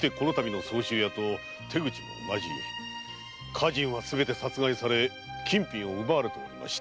家人はすべて殺害され金品を奪われておりました。